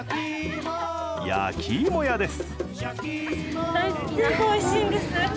焼き芋屋です